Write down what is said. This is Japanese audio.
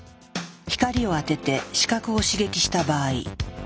光を当てて視覚を刺激した場合。